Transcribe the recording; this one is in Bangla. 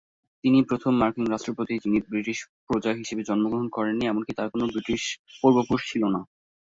তিনি প্রথম মার্কিন রাষ্ট্রপতি যিনি ব্রিটিশ প্রজা হিসেবে জন্মগ্রহণ করেননি, এমনকি তার কোন ব্রিটিশ পূর্বপুরুষ ছিল না।